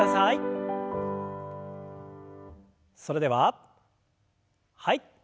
それでははい。